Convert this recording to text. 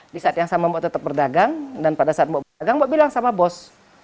di saat yang sama mau tetap berdagang dan pada saat mau berdagang mbak bilang sama bos